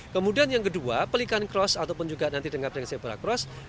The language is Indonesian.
kemudian yang kedua pelikan cross ataupun juga nanti dengarkan sebera cross